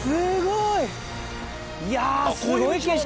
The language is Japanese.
いやすごい景色。